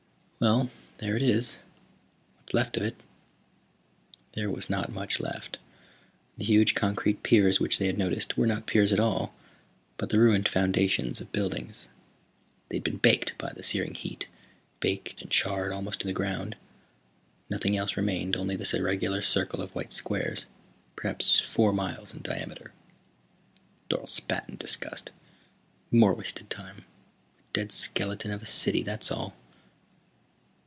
"Well, there it is. What's left of it." There was not much left. The huge concrete piers which they had noticed were not piers at all, but the ruined foundations of buildings. They had been baked by the searing heat, baked and charred almost to the ground. Nothing else remained, only this irregular circle of white squares, perhaps four miles in diameter. Dorle spat in disgust. "More wasted time. A dead skeleton of a city, that's all."